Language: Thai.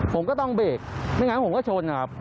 ผมก็ต้องเบรกไม่งั้นผมก็ชนครับ